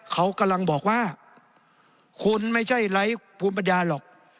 เขากำลังบอกว่าคุณไม่ใช่ไร้ภูมิปัญญาหรอก